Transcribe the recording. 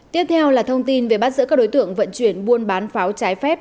tiếp theo là thông tin về bắt giữ các đối tượng vận chuyển buôn bán pháo trái phép